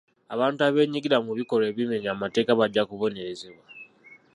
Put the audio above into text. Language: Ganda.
Abantu abeenyigira mu bikolwa ebimenya amateeka bajja kubonerezebwa.